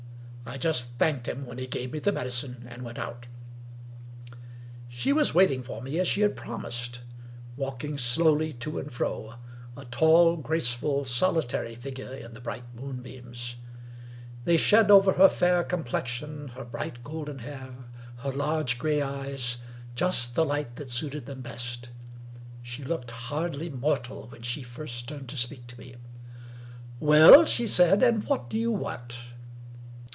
I just thanked him when he gave me the medicine — and went out. She was waiting for me as she had promised; walking slowly to and fro— a tall, graceful, solitary figure in the 239 English Mystery Stories bright moonbeams. They shed over her fair complexion, her bright golden hair, her large gray eyes, just the light that suited them best. She looked hardly mortal when she first turned to speak to me. "Well?" she said. "And what do you want?"